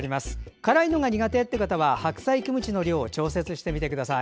辛いのが苦手な人は白菜キムチの量を調節してみてください。